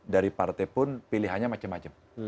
dari partai pun pilihannya macam macam